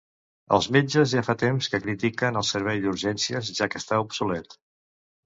Els metges ja fa temps que critiquen el servei d'urgències, ja que està obsolet.